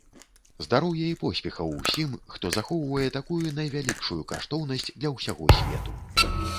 Здароўя і поспехаў усім, хто захоўвае такую найвялікшую каштоўнасць для ўсяго свету.